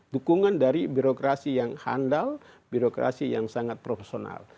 dukungan dari birokrasi yang handal birokrasi yang sangat profesional